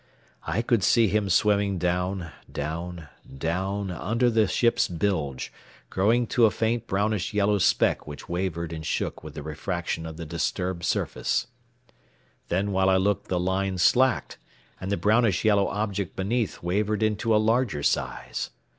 I could see him swimming down, down, down under the ship's bilge, growing to a faint brownish yellow speck which wavered and shook with the refraction of the disturbed surface. Then while I looked the line slacked, and the brownish yellow object beneath wavered into a larger size.